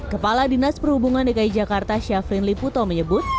kepala dinas perhubungan dki jakarta syafrin liputo menyebut